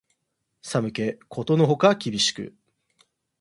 寒気ことのほか厳しく